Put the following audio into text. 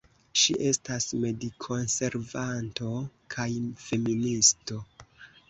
Ŝi estas medikonservanto kaj feministo.